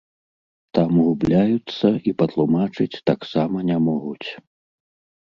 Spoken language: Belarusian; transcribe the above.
Там губляюцца і патлумачыць таксама не могуць.